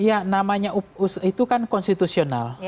ya namanya itu kan konstitusional